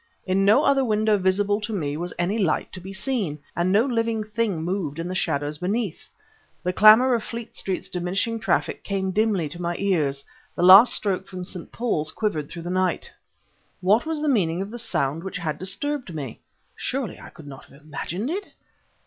In no other window visible to me was any light to be seen, and no living thing moved in the shadows beneath. The clamor of Fleet Street's diminishing traffic came dimly to my ears; the last stroke from St. Paul's quivered through the night. What was the meaning of the sound which had disturbed me? Surely I could not have imagined it?